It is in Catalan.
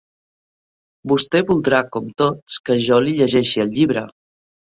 Vostè voldrà, com tots, que jo li llegeixi el llibre